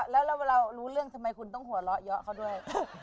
แล้วเวลารู้เรื่องทำไมคุณต้องหัวเราะเยอะเขาด้วย